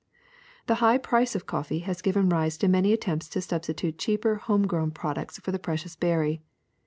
The high price of coffee has given rise to many attempts to substitute cheaper home grown products for the precious berry.